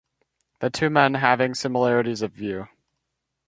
The two men having similarities of views.